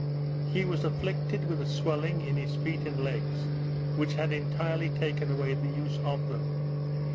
He was afflicted with a swelling in his feet and legs, which had entirely taken away the use of them.